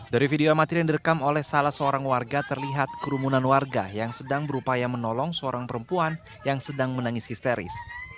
dari video amatir yang direkam oleh salah seorang warga terlihat kerumunan warga yang sedang berupaya menolong seorang perempuan yang sedang menangis histeris